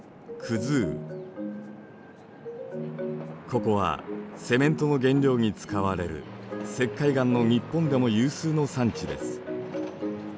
ここはセメントの原料に使われる石灰岩の日本でも有数の産地です。